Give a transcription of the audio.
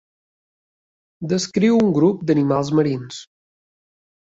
Descriu un grup d'animals marins.